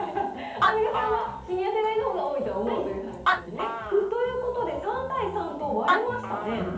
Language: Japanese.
アンミカさんはシニア世代のほうが多いと思うという話ですね。ということで、３対３と割れましたね。